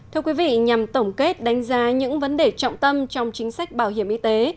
thưa quý vị nhằm tổng kết đánh giá những vấn đề trọng tâm trong chính sách bảo hiểm y tế